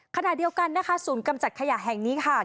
ขณะเดียวกันนะคะศูนย์กำจัดขยะแห่งนี้ค่ะ